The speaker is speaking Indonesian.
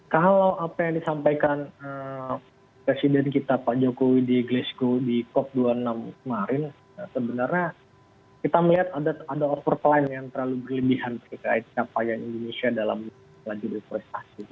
kalau apa yang disampaikan presiden kita pak jokowi di glasgow di cop dua puluh enam kemarin sebenarnya kita melihat ada overpline yang terlalu berlebihan terkait capaian indonesia dalam laju berprestasi